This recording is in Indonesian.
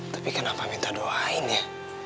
tapi kenapa minta doain ya